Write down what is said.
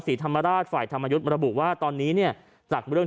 ศรีธรรมราชฝ่ายธรรมยุทธ์ระบุว่าตอนนี้เนี่ยจากเรื่อง